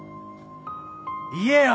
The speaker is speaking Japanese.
言えよ！